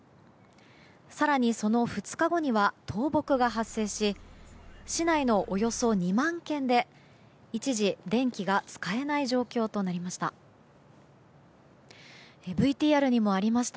更に、その２日後には倒木が発生し市内のおよそ２万軒で一時電気が使えない状況となりました。